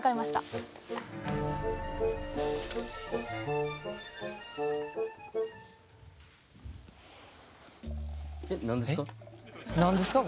えっ何ですか？